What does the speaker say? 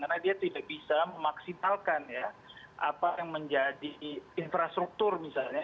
karena dia tidak bisa memaksimalkan ya apa yang menjadi infrastruktur misalnya